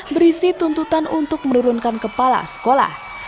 berisi tuntutan untuk menurunkan kepala sekolah